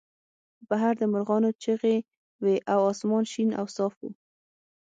بهر د مرغانو چغې وې او اسمان شین او صاف و